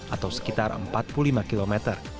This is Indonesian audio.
atau sekitar empat puluh lima km